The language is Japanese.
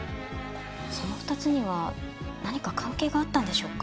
その２つには何か関係があったんでしょうか？